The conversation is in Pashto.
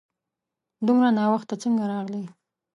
دومره ناوخته څنګه راغلې ؟